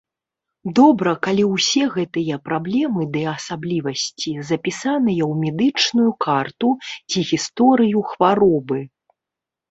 Добра, калі ўсе гэтыя праблемы ды асаблівасці запісаныя ў медычную карту ці гісторыю хваробы.